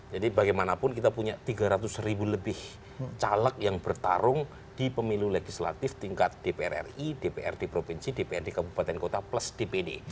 jadi bagaimanapun kita punya tiga ratus ribu lebih caleg yang bertarung di pemilu legislatif tingkat dpr ri dpr di provinsi dpr di kabupaten kota plus dpd